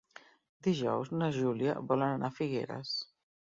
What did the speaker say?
Dijous na Júlia vol anar a Figueres.